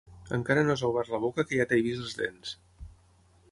Encara no has obert la boca que ja t'he vist les dents.